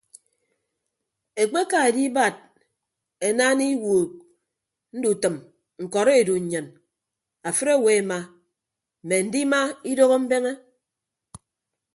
Ekpeka edibad enaana iwuuk ndutʌm ñkọrọ edu nnyin afịd owo ema mme andima idooho mbeñe.